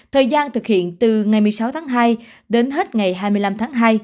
thời gian thực hiện từ ngày một mươi sáu tháng hai đến hết ngày hai mươi năm tháng hai